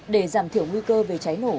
để giảm thiểu nguy cơ về cháy nổ